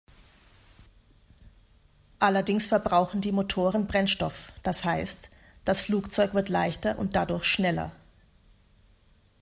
Allerdings verbrauchen die Motoren Brennstoff, das heißt, das Flugzeug wird leichter und dadurch schneller.